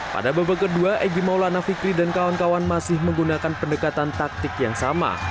pada babak kedua egy maulana fikri dan kawan kawan masih menggunakan pendekatan taktik yang sama